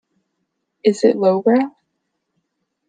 Is it lowbrow?